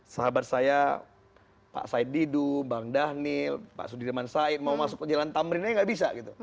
sahabat saya pak said didu bang dhanil pak sudirman said mau masuk ke jalan tamrin aja nggak bisa gitu